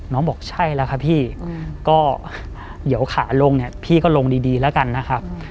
น้องบอกใช่แล้วค่ะพี่ก็เดี๋ยวขาลงพี่ก็ลงดีแล้วกันนะครับ